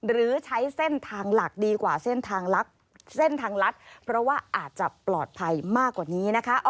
หรือใช้เส้นทางหลักดีกว่าเส้นทางลักเส้นทางลัดเพราะว่าอาจจะปลอดภัยมากกว่านี้นะคะ